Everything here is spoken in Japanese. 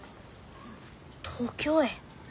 東京へ？